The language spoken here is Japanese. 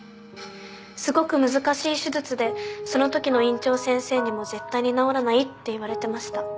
すごく難しい手術でその時の院長先生にも絶対に治らないって言われてました。